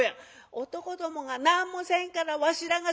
「男どもが何もせんからわしらがするんや」。